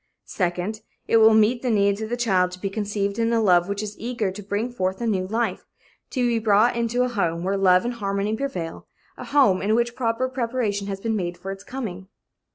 Second, it will meet the needs of the child to be conceived in a love which is eager to bring forth a new life, to be brought into a home where love and harmony prevail, a home in which proper preparation has been made for its coming.